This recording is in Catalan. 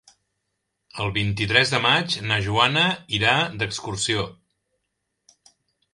El vint-i-tres de maig na Joana irà d'excursió.